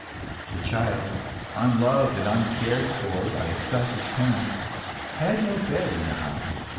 The child, unloved and uncared for by its selfish parents, had no bed in the house.